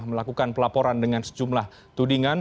melakukan pelaporan dengan sejumlah tudingan